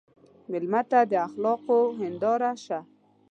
مېلمه ته د اخلاقو هنداره شه.